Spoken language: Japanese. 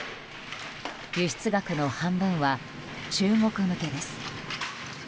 輸出額の半分は中国向けです。